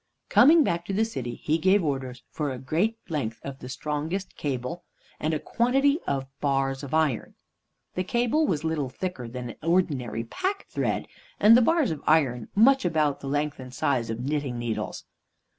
Coming back to the city, he gave orders for a great length of the strongest cable, and a quantity of bars of iron. The cable was little thicker than ordinary pack thread, and the bars of iron much about the length and size of knitting needles.